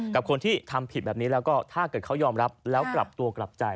กับคนที่ทำผิดแบบนี้แล้วก็ถ้าเกิดเขายอมรับแล้วกลับตัวกลับใจ